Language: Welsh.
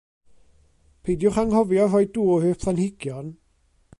Peidiwch anghofio rhoi dŵr i'r planhigion.